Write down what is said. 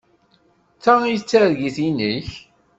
D ta ay d targit-nnek?